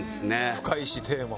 深いしテーマも。